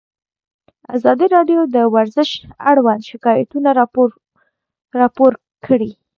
ازادي راډیو د ورزش اړوند شکایتونه راپور کړي.